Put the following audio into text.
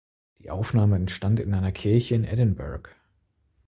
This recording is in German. Die Aufnahme entstand in einer Kirche in Edinburgh.